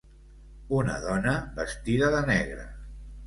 Una dona vestida de negre.